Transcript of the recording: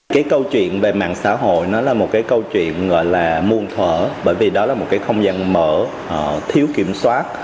cái câu chuyện về mạng xã hội nó là một cái câu chuyện gọi là muôn thở bởi vì đó là một cái không gian mở thiếu kiểm soát